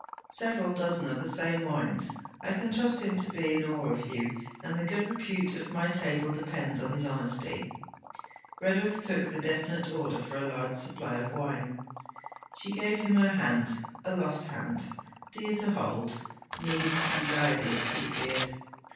Several dozen of the same wines. I can trust him to be in awe of you, and the good repute of my table depends on his honesty.' Redworth took the definite order for a large supply of wine. She gave him her hand: a lost hand, dear to hold, needing to be guided, he feared.